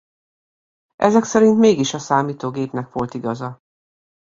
Ezek szerint mégis a számítógépnek volt igaza.